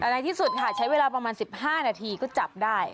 ในที่สุดค่ะใช้เวลาประมาณ๑๕นาทีก็จับได้